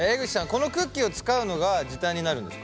このクッキーを使うのが時短になるんですか？